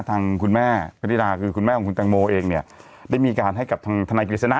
ทางคุณแม่ปฏิราคือคุณแม่ของคุณตางโมเองได้มีการเซนนังสือให้ทันัยกีศนะ